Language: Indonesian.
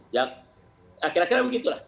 ya kira kira begitu lah